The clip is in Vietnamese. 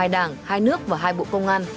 hai đảng hai nước và hai bộ công an